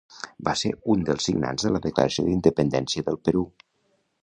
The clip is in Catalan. Va ser un dels signants de la Declaració d'Independència del Perú.